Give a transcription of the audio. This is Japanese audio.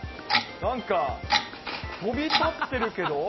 なんか、飛び立ってるけど？